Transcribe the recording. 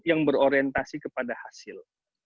yang berorientasi kepada hasil